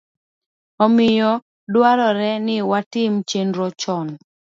Omiyo, dwarore ni watim chenro chon